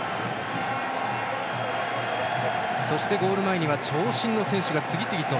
そしてゴール前に長身の選手が次々と。